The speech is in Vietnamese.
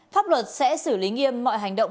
pháp luật sẽ xử lý nghiêm mọi hành động